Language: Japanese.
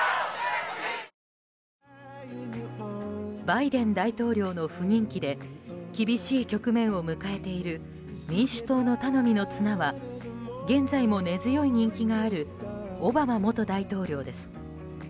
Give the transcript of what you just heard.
バイデン大統領の不人気で厳しい局面を迎えている民主党の頼みの綱は現在も根強い人気があるオバマ元大統領です。